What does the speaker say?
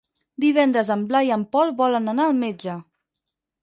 Divendres en Blai i en Pol volen anar al metge.